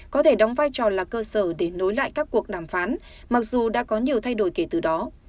có thể đóng vai trò là cơ sở để nối lại các cuộc đàm phán mặc dù đã có nhiều thay đổi kể từ đó